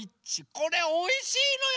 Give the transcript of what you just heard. これおいしいのよ。